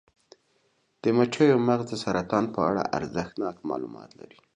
د مچیو مغز د سرطان په اړه ارزښتناک معلومات لري.